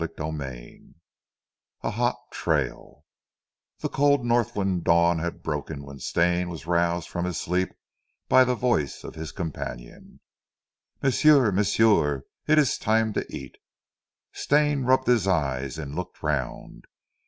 CHAPTER XIX A HOT TRAIL The cold Northland dawn had broken when Stane was roused from his sleep by the voice of his companion. "M'sieu! m'sieu! It ees time to eat!" Stane rubbed his eyes and looked round.